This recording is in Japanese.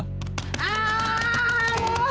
あもう！